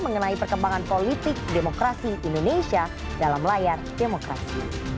mengenai perkembangan politik demokrasi indonesia dalam layar demokrasi